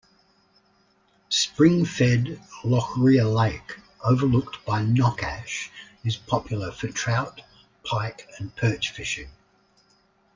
Spring-fed, Loughrea Lake overlooked by Knockash is popular for trout, pike and perch fishing.